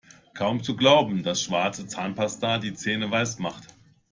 Kaum zu glauben, dass schwarze Zahnpasta die Zähne weiß macht!